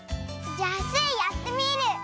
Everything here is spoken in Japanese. じゃあスイやってみる！